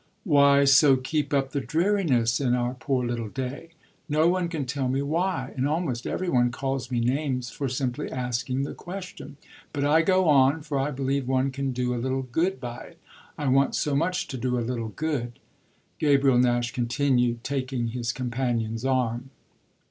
Why so keep up the dreariness, in our poor little day? No one can tell me why, and almost every one calls me names for simply asking the question. But I go on, for I believe one can do a little good by it. I want so much to do a little good," Gabriel Nash continued, taking his companion's arm.